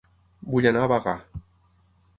Vull anar a Bagà